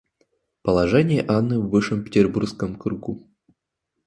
Положение Анны в высшем Петербургском кругу.